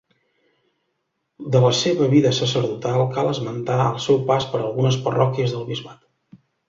De la seva vida sacerdotal cal esmentar el seu pas per algunes parròquies del bisbat.